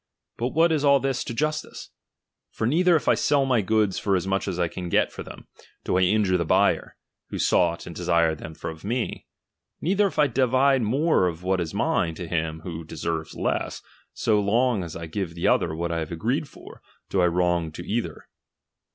But what is all this to justice ? For neither if I sell my goods for as much as I can get for them, do I injure the buyer, who sought and desired them of me ; neither if I divide more of what is mine to him who deserves less, so long as I give the other what I have agreed for, do I wrong to either.